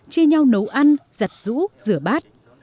chê nhau nấu ăn giặt rũ rửa bát